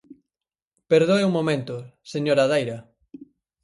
Perdoe un momento, señora Daira.